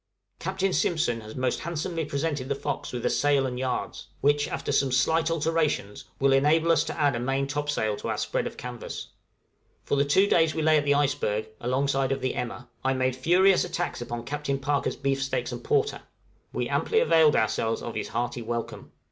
Captain Simpson has most handsomely presented the 'Fox' with a sail and yards, which, after some slight alterations, will enable us to add a main topsail to our spread of canvas. For the two days we lay at the iceberg, alongside of the 'Emma,' I made furious attacks upon Captain Parker's beefsteaks and porter; we amply availed ourselves of his hearty welcome.